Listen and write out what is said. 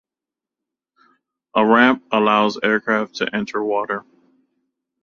A ramp allows aircraft to enter water.